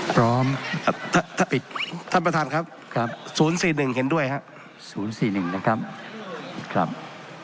พร้อมปิดท่านประธานครับครับ๐๔๑เห็นด้วยครับ๐๔๑นะครับครับ